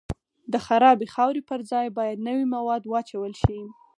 د خرابې خاورې پر ځای باید نوي مواد واچول شي